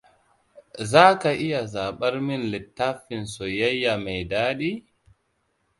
Za ka iya zaɓar min littafin soyayya me daɗi?